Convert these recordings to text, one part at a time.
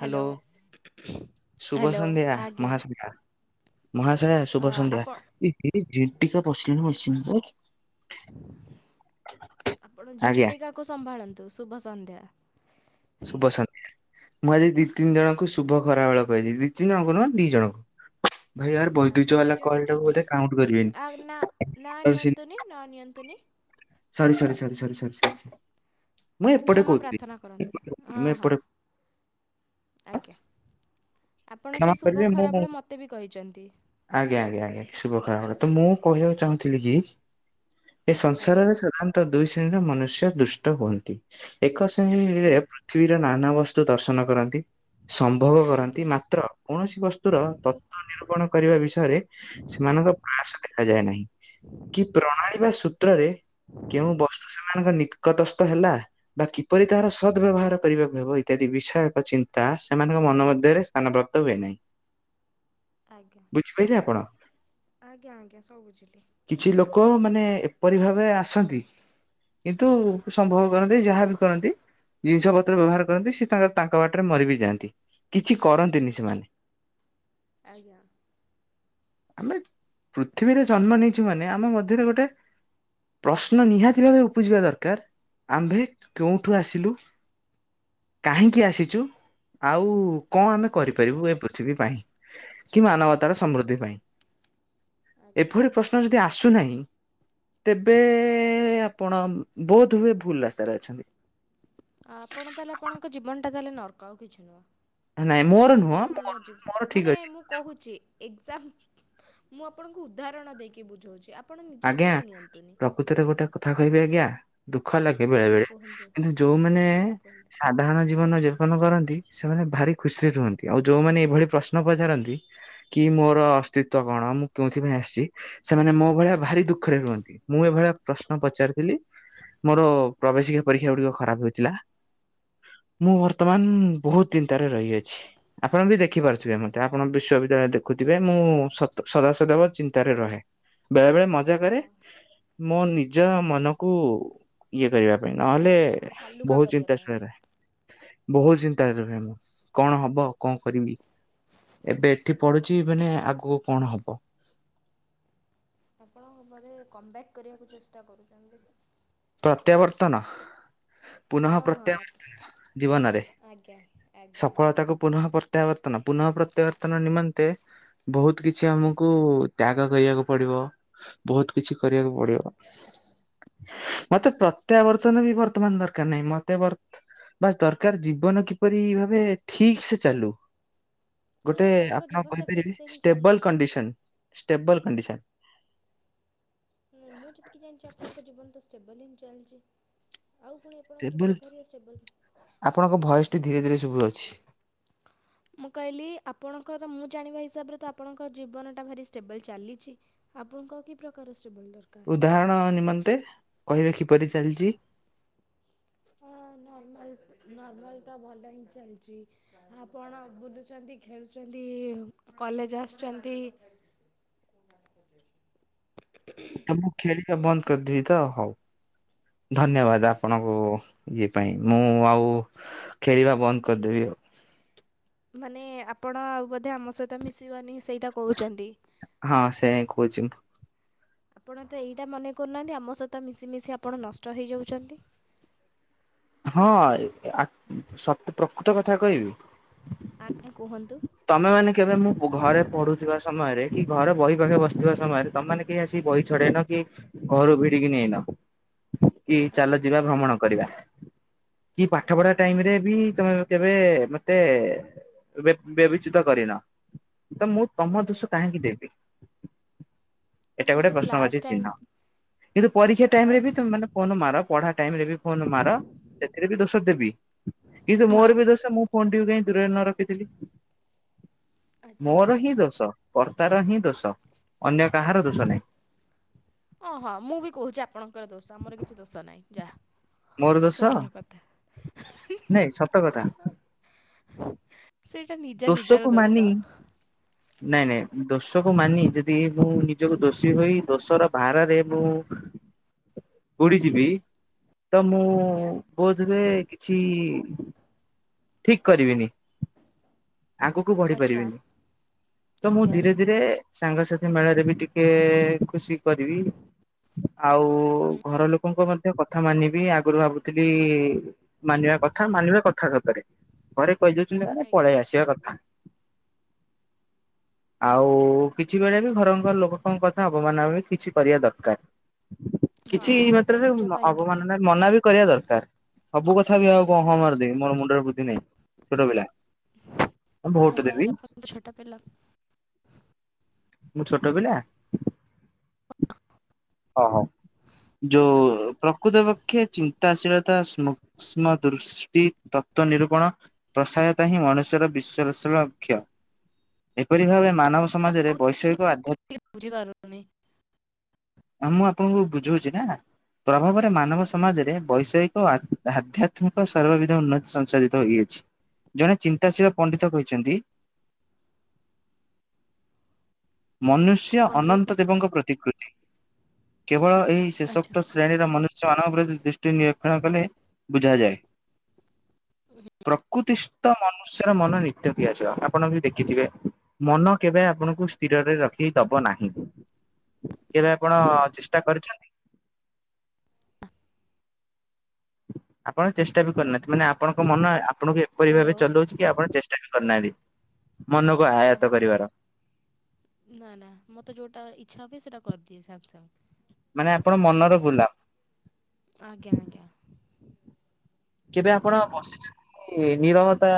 Hello. ଶୁଭ hello ସନ୍ଧ୍ୟା ଆଜ୍ଞା ମହାସନ୍ଧ୍ୟା ମହାଶୟା ଅ, ଶୁଭ ସନ୍ଧ୍ୟା। ଆପଣ ଏି ଟିକା ପଶିଲଣି ମସି ଆପଣ ଆଜ୍ଞା ଝିଣ୍ଟିକାକୁ ସମ୍ଭାଳନ୍ତୁ ଶୁଭ ସନ୍ଧ୍ୟା। ଶୁଭ ସନ୍ନ୍ତି ମୁଁ ଆଜି ଦି ତିନି ଜଣଙ୍କୁ ଶୁଭ ଖରାବେେଳେ କହିଛି ଦି ତିି ଜଣ ନୁହଁ ଦି ଜଣଙ୍କୁ। ଭାଇ ୟାର [inaudible] ଆଉ ବୈଦୁଜ୍ୟ ସେ ବାଲା ଦିଇଜଣ କଲ୍ କିଏ ଟାକୁ କିଏ ବୋଧେ କାଉଣ୍ଟ କରିବେନି ଆ ନା ନା ସରି ନିଅନ୍ତୁନି ନ ନିଅନ୍ତୁନି। ସରି ସରି ସରି ସ ସ ସ। କ୍ଷମା ପ୍ରାର୍ଥନା କରନ୍ତୁ। ହଁ ମୁଁ ହଁ ଏପଟେ ଆଜ୍ଞା। ଆପଣ କ୍ଷମା ସେଇ ଶୁଭ କରିବେ ମୁଁ ଖରାବେଳେ ମୋତେ ବି କହିଛନ୍ତି। ଆଜ୍ଞା ଆଜ୍ଞା। ଶୁଭ ଖରା ବେଳ ତ ମୁଁ କହିବାକୁ ଚାହୁଁଥିଲି କି ଏ ଆଜ୍ଞା ସଂସାରରେ ସାଧାରଣତଃ ଦୁଇ ଶ୍ରେଣୀର ମନୁଷ୍ୟ ଦୁଷ୍ଟ ହୁଅନ୍ତି। ଏକ ଉଁ, ରେ ପୃଥିବୀର ନାନା ବସ୍ତୁ ଦର୍ଶନ କରନ୍ତି ସମ୍ଭୋଗ ଆଜ୍ଞା କରନ୍ତି। ୍ର କୌଣସି ବସ୍ତ ର ତତ୍ଵ ନିର୍ୂପଣ କରିବା ବିଷୟରେ ସେମାନଙ୍କ ପ୍ରୟାସ ଦେଖାଯାଏ ନାହିଁ କି ପ୍ରଣାଳୀ ବା କତ୍ରରେ କେଉଁ ବସ୍ତୁ ସେମାନଙ୍କ ନିକଟସ୍ଥ ହେଲା। ବା କିପରି ତାହାର ସଦ୍ ବ୍ୟବହାର କରିବାକୁ ହେବ ଇତ୍ୟାଦି ବିଷୟକ ଚିନ୍ତା ସେମାନଙ୍କ ମନ ମଧ୍ୟରେ ସାନ ବ୍ରତ ହୁଏ ନହିଁ। ଆଜ୍ଞା ଆପଣ ଆଜ୍ଞା ଆଜ୍ଞା ସବୁ ବୁଝିଲି। କିଛି ଲୋକ ମାନେ ଏପରି ଭାବେ ଆସନ୍ତି। କିନ୍ତୁ ସମ୍ଭବ କରନ୍ତି ଯାହାବି କରନ୍ତି। ଜିନିଷ ପତ୍ର ବ୍ୟବହାର କରନ୍ତି ସେ ତା ତାଙ୍କ ବାଟରେ ମରି ବିି ଯାଆନ୍ତି। କିଛି କରନ୍ତିନି ଆ- ସେମାନେ। ଆଜ୍ଞା ଆମେ ପୃଥିବୀରେ ଜନ୍ମ ନେଇଛୁ ମାନେ ଆମ ମଧ୍ୟରେ ଗୋଟେ ପ୍ରଶ୍ନ ନିହାତି ଭାବେ ଉପୁଜିବା ଦରକାର ଆମ୍ଭେ କୋଉଠୁ ଆସିଲୁ। କାହିଁକି ଆସିଛୁ ଆଉ କଣ ଆମେ କଣ କରିପାରିବୁ ଏ ପୃଥିବୀ ପାଇଁ କି ଆଜ୍ଞା ମାନବତାର ଆଜ୍ଞା ସମୃଦ୍ଧି ପାଇଁ। ଆଜ୍ଞା ଏଭଳି ପ୍ରଶ୍ନ ଯଦି ଆସୁନାହିଁ ତେବେ ଆଜ୍ଞା। ଆପଣ ବହୁତ ହୁଏ ଭୁଲ ରାସ୍ତାରେ ଅଛନ୍ତି। ଆପଣ ତାହେଲେ ଆପଣଙ୍କ ଜୀବନ ଟା ତାହେଲେ ନର୍କ ଆଉ କିଛି ନୁହଁ। ନାଇଁ ମୋର ଯୋଉଟା ନୁହଁ କି ମୁଁ ମୋର ମ ମୋର ଯିବ ଠିକ ମାନେ ଅଛି ମୁଁ କହୁଛି ଏକ୍ଜାମ୍ ମୁଁ ଆପଣଙ୍କୁ ଉଦାହରଣ ଦେଇକି ବୁଝାଉଛି। ଆପଣ ନିଜ ଉପରକୁ ନିଅନ୍ତୁନି। କୃତରେ ଗୋଟେ କଥା କହିବି ଆଜ୍ଞା ଦୁଃଖ ଲାଗେ ବେଳେ ଆଜ୍ଞା ବେଳେ କୁହନ୍ତୁ କିନ୍ତୁ ଯୋଉମାନେ ଆଜ୍ଞା କୁହନ୍ତୁ ସାଧାରଣ ଜୀବନ ଯେଉ କ କରନ୍ତି ସେମାନେ ଭାରି ଖୁସିରେ ରୁହନ୍ତି। ଆଉ ଯୋଉମାନେ ଏଇଭଳି ପ୍ରଶ୍ନ ପଚାରନ୍ତି କି ମୋର ଅସ୍ତିତ୍ଵ କଣ ମୁଁ କେଉଁଥି ପାଇଁ ଆସିଛି ସେମାନେ ମୋ ଭଳିଆ ଭାରି ଦୁଃଖରେ ରୁହନ୍ତି। ମୁଁ ଏଭଳିଆ ପ୍ରଶ୍ନ ପଚାରିଥିଲି ମୋର ପ୍ରବେଶିକା ପରୀକ୍ଷା ଗୁଡିକ ଖରାପ ହେଇଥିଲା। ମୁଁ ବର୍ତ୍ତମାନ ବହୁତ ଦିନନ ତାରେ ରହିଅଛି। ଆପଣ ବି ଦେଖିପାରୁଥିବେ ମତେ ଆପଣ ବିଶ୍ୱବିଦ୍ୟାଳୟରେ ଦେଖୁଥିବେ ମୁଁ ସଦାସଦେବ ଚିନ୍ତାରେ ରହେ। ବେଳେ ବେଳେ ମଜା କରେ ମୋ ନିଜ ମନକୁ ଇଏ କରିବା। ନହେଲେ ହାଲକ ହାଲୁକା ବହୁତ କରିବା ଚିନ୍ତା ପାଇଁ ଶୁଣା ରହେ। ବହୁତ ଚିନ୍ତାରେ ରୁହେ ମୁଁ କଣ ହବ କଣ କରିବି। ଏବେ ଏଠି ପଡୁଛି ମାନେ ଆଗକୁ କଣ ହବ। ଆପଣ ବୋଧେ କମ୍ବ୍ୟାକ୍ କରିବାକୁ ଚେଷ୍ଟା କରୁଛନ୍ତି। ପ୍ରତ୍ୟାବର୍ତ୍ତନ। ପୁନଃ ହଁ ହଁ ପ୍ରତ୍ୟାବର୍ତ୍ତନ ଜୀବନରେ ଆଜ୍ଞା ଆଜ୍ଞା ଆଜ୍ଞା ସଫଳତାକୁ ପୁଃ ପ୍ରତ୍ୟାବର୍ତନ ପୁନଃ ପ୍ରତ୍ୟାବର୍ତନ ନିମନ୍ତେ ବହୁତ କିଛି ଆମକୁ ତ୍ୟାଗ କରିବାକୁ ପଡିବ। ବହୁତ କିଛି କରିବାକୁ ପଡିବ। [inaudible] ମତେ ପ୍ରତ୍ୟାବର୍ତ୍ତନ ବି ବର୍ତ୍ତମାନ ଦରକାର ନାହିଁ। ମତେ ବା ଦରକାର ଜୀବନ କିପରି ଭାବେ ଠିକ ସେ ଚାଲୁ ଏ ଗୋଟେ ଆପଣଙ୍କ ଆପଣ ଜୀବନ ତ କହିପାରିବେ ଠିକ୍ ସେ ହିଁ େବଲ ଚାଲୁଛି କଣ୍ଡିସନ େବଲ କଣ୍ଡିସନ ଁ ମୁଁ ଯେତିକି ଜଣିଛି ଆପଣଙ୍କ ଜୀବନ ତ ଷ୍ଟେବଲ ହିଁ ଚାଲିଛି ଆଉ ପୁଣି ଆପଣ କି ଷ୍ଟେବଲ ପ୍ରକାରଷ୍ଟେବଲ ଆପଣଙ୍କ ଭଏସ ଟି ଧୀରେ ଧୀରେ ସବୁ ଅଛି [inaudible] ମୁଁ କହିଲି ଆପଣଙ୍କର ମୁଁ ଜାଣିବା ହିସାବରେ ତ ଆପଣଙ୍କ ଜୀବନଟା ଭାରି ଷ୍ଟେବଲ୍ ଚାଲିଛି ଆପଣଙ୍କ କି ପ୍ରକାରେବଲ ଦରକାର ଉଦାହରଣ ନିମନ୍ତେ କହିଲେ କିପରି ଚାଲିଛି ହଁ ନର୍ମାଲ ନର୍ମାଲ ଟା ଭଲ ହିଁ ଚାଲିଛି ଆପଣ ବୁଲୁଛନ୍ତି ଖେଳୁଛନ୍ତି କଲେଜ ଆସୁଛନ୍ତି [inaudible] ମୁଁ ଖେଳିବା ବନ୍ଦ କରିଦେବି ତ ହଉ ଧନ୍ୟବାଦ ଆପଣଙ୍କୁ ଇଏ ପାଇଁ ମୁଁ ଆଉ ଖେଳିବା ବନ୍ଦ କରିଦେବି ଆଉ ମାନେ ଆପଣ ଆଉ ବୋଧେ ଆମ ସହିତ ମିଶିବନି ସେଇଟା କହୁଛନ୍ତି ହଁ ସେ କହୁଛି ଆପଣ ତ ଏଇଟା ମନେ କରୁନାହାନ୍ତି ଆମ ସହିତ ମିଶିମିଶି ଆପଣ ନଷ୍ଟ ହେଇଯାଉଛନ୍ତି ହଁ ସତ ପ୍ରକୃତ କଥା କହିବି ଆଜ୍ଞା କୁହନ୍ତୁ ତମେ ମାନେ କେବେ ମୁଁ ଘରେ ପଢୁଥିବା ସମୟରେ କି ଘରେ ବହି ପାଖ ବସିଥିବା ସମୟରେ ତମ କେହି ଆସିିକ ବହି ଛଡେଇନ କି ଘରୁ ଭିଡିକି ନେଇନ କି ଚାଲ ଆଜ୍ଞା ଯିବା ଭ୍ରମଣ କରିବା କି ପାଠ ଆଜ୍ଞା ପଢା ଟାଇମ ରେ ବି ତ କେବେ ମତେ ବ୍ୟବଚିତ କରିନ ତ ମୁଁ ତମ ଆଜ୍ଞା ଦୋଷ କାହିଁକି ଦେବି ଏଟ ଗୋଟେ କିନ୍ତୁ କ୍ଲାସ୍ ପ୍ରଶ୍ନବାଚୀ ଟାଇମ୍ ଚିହ୍ନ କିନ୍ତୁ ପରୀକ୍ଷା ଟାଇମ ରେ ବି ତାନେ ଫୋନ ମାର ପଢା ଟାଇ ରେ ବି ଫୋନ ମାର ସେଥିରେ ବି ଦୋଷ ଦେବି କିନ୍ତୁ ହଁ। ମୋର ବି ଦୋଷ ମୁଁ ଫୋନ କୁ କାଇଁ ଦୂରରେ ନ ରଖିଥିଲି ଆଚ୍ଛା ମୋର ଆଚ୍ଛା ହିଁ ଦୋଷ କର୍ତ୍ତାର ହିଁ ଦୋଷ ଅନ୍ୟ କାହାର ଦୋଷ ନାହିଁ ହଁ ହଁ ମୁଁ ବି କହୁଛି ଆପଣଙ୍କର ଦୋଷ ଆମର କିଛି ଦୋଷ ନାହିଁ ଯାହା ମୋର ଦୋଷ ସରିଲା କଥା। ନାଇଁ ସତ କଥା ସେଇଟା ନିଜ ଦୋଷକୁ ନିଜର ମାନି ଦୋଷ ନାଇଁ ନାଇଁ ଦୋଷକୁ ମାନି ଯଦି ମୁଁ ନିଜକୁ ଦୋଷୀ ହୋଇ ଦୋଷର ବାହାରାରେରେ ମୁୁ ବୁଡିଯିବି ତ ମୁଁ ଆଜ୍ଞା। ବୋଧହୁଏ କିଛି ଠିକ କରିବିନି ଆଗକୁ ବଢି ଆଚ୍ଛା ପାରିବିନି ତ ମୁଁ ଆଜ୍ଞା। ଧୀରେ ଧୀରେ ସାଙ୍ଗସାଥି ମେଳାରେ ବି ଟିକେ ଖୁସି କରିବି ଆଉ ହୁଁ ଘର ଲୋକଙ୍କ ମଧ୍ୟ କଥା ମାନିବି ଆଗରୁ ଭାବୁଥିଲି ମାନିବା କଥା ମାନିବା କଥା ସତରେ ଘରେ କହିଦେଉଛନ୍ତି ମାନେ ଆଜ୍ଞା। ପଳେଇ ଆସିବା କଥା ଆଉ କିଛି ବେଳେ ବି ଘର ଘର ଲୋକଙ୍କ କଥା ଅବମାନ କିଛି କରିବା ଦରକାର ହଁ କିଛି ଏଇ ସେଟା ମାତ୍ରାରେ ନିଜ ପାଇଁ କି। ଅବମାନ ମ ମନା ବି କରିବା ଦରକାର ସବୁ କଥା ବି ଆଉ ଆଜ୍ଞା। କ ହଁ ମଦ ମୋର ମୁଣ୍ଡରେ ବୃଦ୍ଧି ନାହିଁ ଛୋଟ ପିଲା ଭୋଟ ଆଜ୍ଞା ଦେବି ଆଜ୍ଞାପଣ ଛୋଟା ପିଲା ମୁଁ ଛୋଟ ପିଲା ହ ହୋ ଯୋଉ ପ୍ରକୃତ ପକ୍ଷେ ଚିନ୍ତାଶୀଳତା ସୂଷ୍ମ ଦୃଷ୍ଟି ତତ୍ଵ ନିରୂପଣ ପ୍ରସହାୟତା ହିଁ ମନୁଷ୍ୟର ବିଶ୍ଷଣକ୍ଷ ଏପରି ଭାବେ ମାନବ ସମାଜରେ ବୈଷୟିକ ଆଧ୍ୟାତ୍ମ ପୁଝିପାରୁନି ହ ମୁଁ ଆପଣଙ୍କୁ ବୁଝଉଛି ନା ପ୍ରଭାବରେ ମାନବ ସମାଜରେ ବୈଷୟିକ ଓ ଆଧ୍ୟାତ୍ମିକ ସର୍ବବିଧ ଉନ୍ନତି ସଂଶୋଧିତ ହୋଇଅଛି ଜଣେ ଚିନ୍ତାଶୀଳ ପଣ୍ଡିତ କହିଛନ୍ତି ମନୁଷ୍ୟ କୁହନ୍ତୁ ଅନନ୍ତ ଦେବଙ୍କ ପ୍ରତିକୃତି କେବଳ ଏହି ଆଚ୍ଛା ଶେଷୋକ୍ତ ଶ୍ରେଣୀର ମନୁଷ୍ୟମାନାନଙ୍କ ବିରୋଧ ଦୃଷ୍ଟି ନିରୀକ୍ଷଣ କଲେ ବୁଝା ଯାଏ ପ୍ରକୃତି ମନୁଷ୍ୟର ମନ ନିତ୍ୟ ଦିଆଯିବ ଆପଣ ଯ ଦେଖିଥିବେ ମନ କେବେ ଆପଣଙ୍କୁ ସ୍ଥିରରେ ରଖିକି ଦବ ନାହିଁ କେବେ ଆପଣ ଆଜ୍ଞା। ଚେଷ୍ଟା କରିଛନ୍ତି ଆପଣ ଚେଷ୍ଟା ବି କରିୁନାହାନ୍ତି ମାନେ ଆପଣଙ୍କ ମନ ଆପଣଙ୍କୁ ଏପରି ଭାବେ ହ୍ୟାଲୋ ଚଲାଉଛି କି ଆପଣ ଚେଷ୍ଟା କରିନାହାନ୍ତି ମନକୁ ହଁ ହଁ। ଆୟତ କରିବାର ନା ନା ମୋତେ ଯୋଉଟା ଇଚ୍ଛା ହୁଏ ସେଟା କରିଦିଏ ସାଙ୍ଗେ ସାଙ୍ଗେ ମାନେ ଆପଣ ମନର ଗୁଲା ଆଜ୍ଞା ଆଜ୍ଞା କେବେ ଆପଣ ବସିଛନ୍ତି ନିରବତା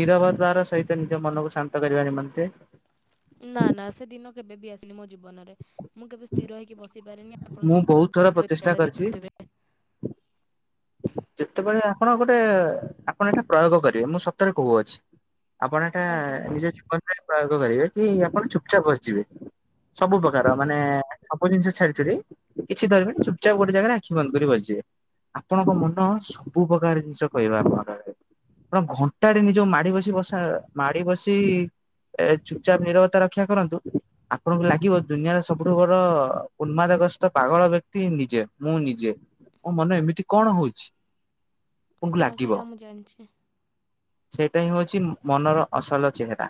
ନିରବତାର ସହିତ ନିଜ ମନକୁ ଶାନ୍ତ କରିବା ନିମନ୍ତେ ନା ନା ସେ ଦିନ କେବେ ବି ଆସିନି ମୋ ଜୀବନରେ ମୁଁ କେବେ ସ୍ଥିର ହେଇକି ବସି ପାରେନି ଆପଣ ମୁଁ ବହୁତ ଯଦି ଥର ପ୍ରଚେଷ୍ଟା ଶଳୟ କରିଛି। ଯେତେବେଳେ ଆପଣ ଗୋଟେ ଆପଣ ଏଇଟା ପ୍ରୟୋଗ କରିବେ ମୁଁ ସ କହୁଅଛି ଆପଣ ଏଟା ଆଜ୍ଞା ନିଜ ଜୀବନ ପ୍ରୟୋଗ କରିବେ କି ଆପଣ ଚୁପଚାପ ବସିଯିବେ ସବୁ ପ୍ରକାର ଆଜ୍ଞା ମାନେ ସବୁ ଜିନିଷ ଛାଡିଛୁ କିଛି ଧର ପାଇଁ ଚୁପଚା ଗୋଟେ ଜାଗାରେ ଆଖି ବନ୍ଦ କରି ବସିଯିବେ ଆପଣଙ୍କ ମନ ସବୁ ପ୍ରକାର ଜିନିଷ କହିବା ଆପଣର ଆପଣ ଘଣ୍ଟା ନିଜ ମାଡି ବସି ବସା ମାଡି ବସି ଏ ଚୁପଚାପ ନିରବତା ରକ୍ଷା କରନ୍ତୁ ଆପଣଙ୍କୁ ଲାଗିବ ଦୁନିଆର ସବୁଠୁ ବଡ ଉନ୍ମାଦ ଗ୍ରସ୍ତ ପାଗଳ ବ୍ୟକ୍ତି ନିଜେ ମୁଁ ନିଜେ ମୋ ମନ ଏମିତି କଣ ହଉଛି ଆପଣଙ୍କୁ ହଁ ଲାଗିବ ସେଇଟା ମୁଁ ଜାଣିଛି ସେଇଟା ହିଁ ହଉଛି ମନର ଅସଲ ଚେହେରା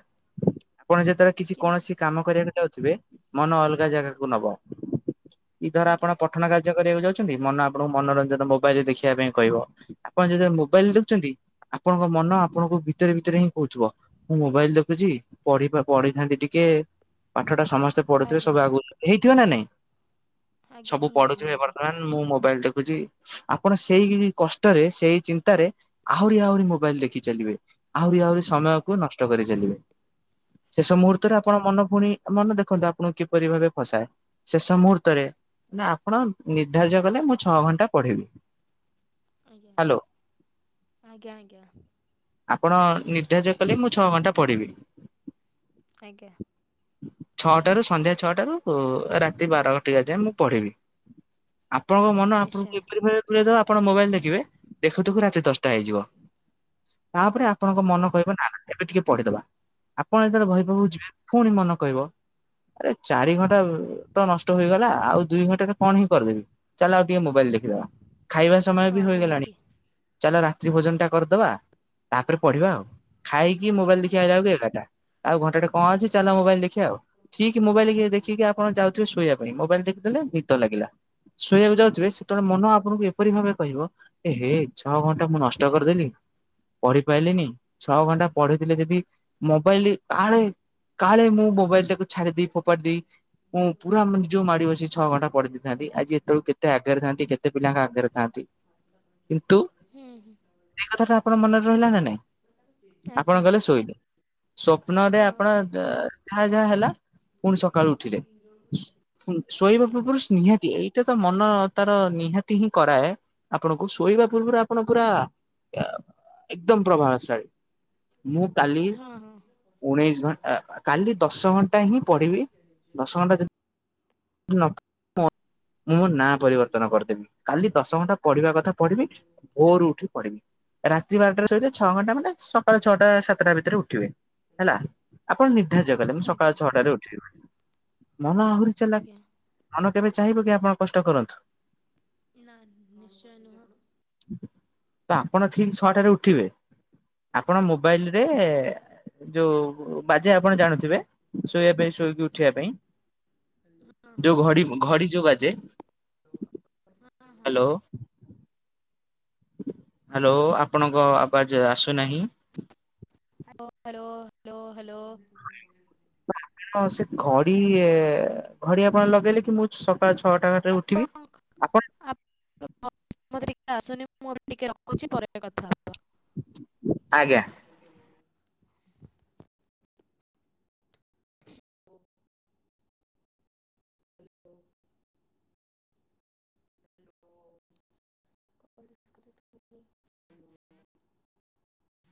ଆପଣ ଯେତେବେଳେ କିଛି କିନ୍ତୁ କୌଣସି କାମ କରିବାକୁ ଯାଉଥିବେ ମନ ଅଲଗା ଜାଗାକୁ ନବ ଇ ଧର ଆପଣ ଆଜ୍ଞା ପଠନ କାର୍ଯ୍ୟ କରିବାକୁ ଯାଉଛନ୍ତି ମନ ଆପଣଙ୍କୁ ମନୋରଞ୍ଜନ ମୋବାଇଲରେ ଦେଖିବା ପାଇଁ କହିବ ଆପଣ ଯତେବେଳେ ମୋବାଇଲ ଦେଖୁଛନ୍ତି ଆପଣଙ୍କ ମନ ଆପଣଙ୍କୁ ଭିତରେ ଭିତରେ ହିଁ କହୁଥିବ ମୁଁ ମୋବାଇଲ ଦେଖୁଛି ପଢି ପଢିଥାନ୍ତି ଟିକେ ପାଠ ଟା ସମସ୍ତେ ପଢୁଥିବେ ଆଜ୍ଞା ସବୁ ଆଗକୁ ହେଇଥିବେ ନା ନାଇଁ ଆଜ୍ଞା ସବୁ ନିହାତି ପଢୁଥିବେ ନିହାତି ବର୍ତ୍ତମାନ ମୁଁ ମୋବାଇଲ ଦେଖୁଛି ଆପଣ ସେଇ କଷ୍ଟରେ ସେଇ ଚିନ୍ତାରେ ଆହୁରି ଆହୁରି ମୋବାଇଲ ଦେଖି ଚାଲିବେ ଆହୁରି ଆହୁରି ସମୟକୁ ନଷ୍ଟ କରି ଚାଲିବେ ଶେଷ ମୁହୂର୍ତ୍ତରେ ଆଜ୍ଞା ଆପଣ ମନ ପୁଣି ମନେ ଦେଖନ୍ତୁ ଆପଣଙ୍କୁ କିପରି ଭାବେ ଫସାଏ ଶେଷ ମୁହୂର୍ତ୍ତରେ ନା ଆପଣ ନିର୍ଦ୍ଧାର୍ଯ୍ୟ କଲେ ମୁଁ ଛଅ ଘଣ୍ଟା ପଢିବି ଆଜ୍ଞା ହ୍ୟାଲୋ। ଆଜ୍ଞା ଆଜ୍ଞା ଆପଣ ନିର୍ଦ୍ଧଯ୍ୟ କଲେ ମୁଁ ଛଅ ଘଣ୍ଟା ପଢିବି ଆଜ୍ଞା ଛଅଟାରୁ ସନ୍ଧ୍ୟା ଛଅଟାରୁ ରାତି ବାର ଟିକା ଯାଏ ମୁଁ ପଢିବି ଆପଣଙ୍କ ହଁ ମନ ନିଶ୍ଚୟ ଆପଣଙ୍କୁ କିପରି ଭା ପଦବ ଆପଣ ମୋବାଇଲ ଦେଖିବେ ଦେଖୁଥୁ ରାତି ଦଶଟା ହେଇଯିବ ତାପରେ ଆପଣଙ୍କ ହଁ ମନ କହିବ ନା ନା ଏବେ ଟିକେ ପଢିଦବା ଆପଣ ଯେତେବେଳେ ଆଜ୍ଞା ଭୟପବକୁ ଯିବେ ପୁଣି ମନ କହିବ ଆରେ ଚାରି ଘଣ୍ଟା ତ ନଷ୍ଟ ହେଇଗଲା ଆଉ ଦୁଇ ଘଣ୍ଟା ଟ କଣ ହିଁ କରିଦେବି ଚାଲ ଆଉ ଟିକେ ମୋବାଇଲ ଦେଖିଦେବା ଖାଇବା ସମୟ ହଁ ବି ହେଇଗଲାଣି ନିହାତି ଚାଲ ରାତ୍ରି ଭୋଜନ ଟା କରିଦବା ତାପରେ ପଢିବା ଆଉ ଖାଇକି ମୋବାଇଲ ଦେଖିବା ଯାଉ କି ଏକାଟା ଆଉ ଘଣ୍ଟା ଟେ କଣ ଅଛି ଚାଲ ମୋବାଇଲ ଦେଖି ଆଉଠିକ ମୋବାଇଲ ଦେଖିକି କଣ ଯାଉଥିବେ ଶୋଇବା ପାଇଁ ମୋବାଇଲ ଦେଖିଦେଲେ ନିଦ ଲାଗିଲା ଶୋଇବାକୁ ଯାଉଥିବେ ସେତେବେଳେ ମନ ଆପଣଙ୍କୁ ଏପରି ଭାବେ କହିବ ଏ ହେ ଛଅ ଘଣ୍ଟା ମୁଁ ନଷ୍ଟ କରିଦେଲି ପଢି ପାଇଲିନି ଛଅ ଘଣ୍ଟା ପଢିଥିଲେ ଯଦି ମୋବାଇଲ କାଳେ କାଳେ ମୁଁ ମୋବାଇଲଟାକୁ ଛାଡ଼ିଦେଇ ଫୋପାଡ଼ି ଦେଇ ମୁଁ ପୁରା ଯୋଉ ମାଡି ବସି ଛଅ ଘଣ୍ଟା ପଢ଼ି ଦେଇଥାନ୍ତି ଆଜି ଏତେବେଳକୁ କେତେ ଆଗରେ ଥାନ୍ତି କେତେ ତେ ପିଲାଙ୍କ ଆଗରେ ଥାନ୍ତି କିନ୍ତୁ ହୁଁ ହୁଁ ସେ କଥାଟା ଆପଣଙ୍କ ମନରେ ରହିଲା ନା ନାଇଁ ଆଜ୍ଞା ଆପଣ ଗଲେ ଶୋଇଲେ ସ୍ଵପ୍ନରେ ହଁ ଆପଣ ଯାହା ଯାହା ହେଲା ପୁଣି ସକାଳୁ ଉଠିଲେ ଶ ଶୋଇବା ଆଜ୍ଞା ପୂର୍ବରୁ ନିହାତି ପ୍ରତ୍ୟ ତ ମନ ତାର ନିହାତି ହିଁ କରାଏ ଆପଣଙ୍କୁ ଶୋଇବା ପୂର୍ବରୁ ଆପଣ ପୁରା ଏକଦମ ପ୍ରଭାବଶାଳୀ ମୁଁ କାଲି ହଁ ହଁ ଉଣେଇଶି ଘଣ୍ଟା କାଲି ଦଶ ଘଣ୍ଟା ହିଁ ପଢିବି ଦଶ ଘଣ୍ଟା ଯି ମୁଁ ମୋ ନାଁ ପରିବର୍ତ୍ତନ କରିଦେବି କାଲି ଦଶ ଘଣ୍ଟା ପଢିବା କଥା ପଢିବି ଭୋରୁ ଉଠି ପଢିବି ରାତି ବାରଟା ସହିତ ଛଅ ଘଣ୍ଟା ମାନେ ସକାଳ ଛଅଟା ସାତ ସାତଟା ଭିତରେ ଉଠିବି। ହେଲା ଆପଣ ନିର୍ଦ୍ଧାର୍ଯ୍ୟ କଲେ ମୁଁ ଆଜ୍ଞା ସକାଳ ଛଅଟାରେ ଉଠିବି ମନ ଆହୁରି ଚାଲାକ୍ ଆଜ୍ଞା ମନ କେବେ ଚାହିଁବ କି ଆପଣ କଷ୍ଟ କରନ୍ତୁ। ନା ନିଶ୍ଚୟ ନୁହଁ। ତ ଆପଣ ଠିକ ଛଅଟରେ ଉଠିବେ। ଆପଣ ମୋବାଇଲ ରେ ଯୋଉ ବାଜେ ଆପଣ ଜାଣୁଥିବେ ଶୋଇବା ପାଇଁ ଉଠିବା ପାଇଁ ଯୋଉ ଘଡ଼ି ଘଡି ଯୋଉ ବାଜେ ହ୍ୟାଲୋ ହ୍ୟାଲୋ ଆପଣଙ୍କ ଆବାଜ ଆସୁନାହିଁ। ହ ହ୍ୟାଲୋ ହ୍ୟାଲୋ ହ୍ୟାଲୋ ଆଣ ସେ ଘଡି ଘଡି ଆପଣ ଲଗେଇଲେ କି ମୁଁ ସକାଳ ଛଅଟାରେ ଉଠିବି ଆପଣ ଆପଣ ଟିକେ ଆସୁନି ମୁଁ ଏ ଟିକେ ରଖୁଛି ପରେ କଥା ହେବା। ଆଜ୍ଞା। ହ୍ୟାଲୋ [unintelligible] [inaudible] [inaudible]